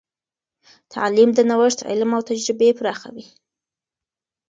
تعلیم د نوښت علم او تجربې پراخوي.